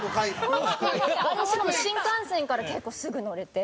あれしかも新幹線から結構すぐ乗れて。